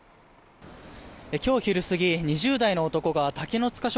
今日昼過ぎ、２０代の男が竹の塚署